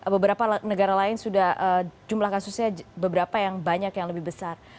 beberapa negara lain sudah jumlah kasusnya beberapa yang banyak yang lebih besar